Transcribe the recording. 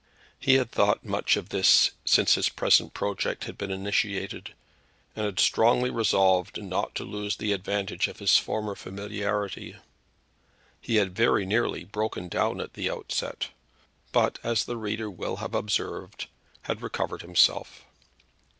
He had thought much of this since his present project had been initiated, and had strongly resolved not to lose the advantage of his former familiarity. He had very nearly broken down at the onset, but, as the reader will have observed, had recovered himself.